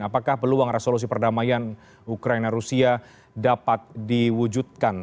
apakah peluang resolusi perdamaian ukraina rusia dapat diwujudkan